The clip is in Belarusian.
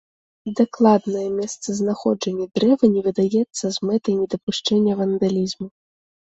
Дакладнае месцазнаходжанне дрэва не выдаецца з мэтай недапушчэння вандалізму.